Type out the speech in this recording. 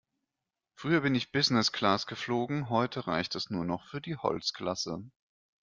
Früher bin ich Business-Class geflogen, heute reicht es nur noch für die Holzklasse.